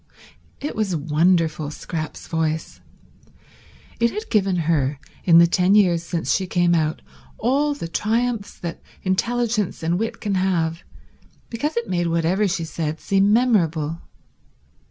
It was wonderful, Scrap's voice. It had given her, in the ten years since she came out, all the triumphs that intelligence and wit can have, because it made whatever she said seem memorable.